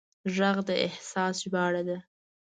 غږ د احساس ژباړه ده